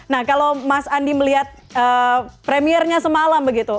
nah kalau mas andi melihat premiernya semalam begitu